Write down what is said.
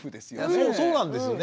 そうなんですよね。